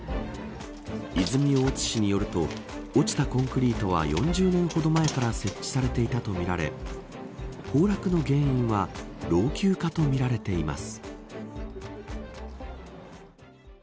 泉大津市によると落ちたコンクリートは４０年ほど前から設置されていたとみられ崩落の原因は老朽化とみられています。